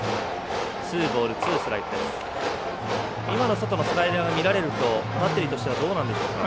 外のスライダーが見られるとバッテリーとしてはどうなんでしょうか。